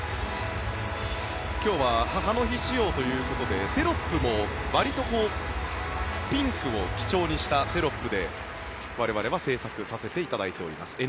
今日は母の日仕様ということでテロップもわりとピンクを基調にしたテロップで我々は制作させていただいております。